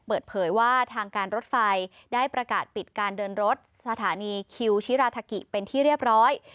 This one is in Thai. เปิดเผยว่าทางการรถไฟได้ประกาศปิดการเดินรถสถานีคิวชิราทากิเป็นที่เรียบร้อย